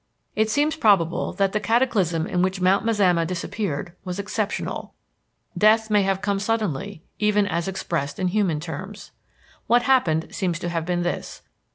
It seems probable that the cataclysm in which Mount Mazama disappeared was exceptional; death may have come suddenly, even as expressed in human terms. What happened seems to have been this.